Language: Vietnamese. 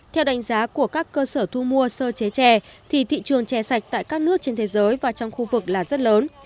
theo đánh giá của các cơ sở thu mua sơ chế trè thì thị trường chè sạch tại các nước trên thế giới và trong khu vực là rất lớn